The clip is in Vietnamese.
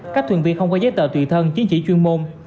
các thuyền viên không có giấy tờ tùy thân chứng chỉ chuyên môn